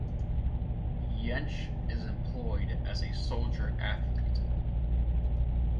Jentsch is employed as a soldier athlete.